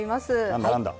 何だ何だ？